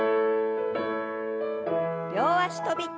両脚跳び。